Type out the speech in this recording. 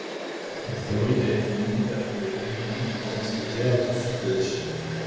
L'astéroïde a été nommé d'après le Guangdong, province côtière du sud de la Chine.